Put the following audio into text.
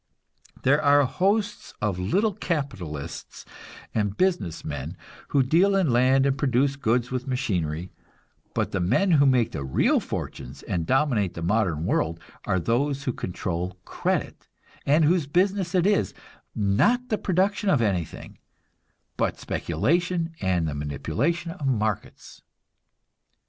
There are hosts of little capitalists and business men who deal in land and produce goods with machinery, but the men who make the real fortunes and dominate the modern world are those who control credit, and whose business is, not the production of anything, but speculation and the manipulation of markets.